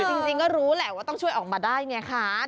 จริงก็รู้แหละว่าต้องช่วยออกมาได้ไงคะ